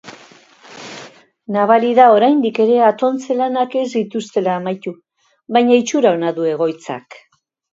Nabari da oraindik ere atontze-lanak ez dituztela amaitu, baina itxura ona du egoitzak.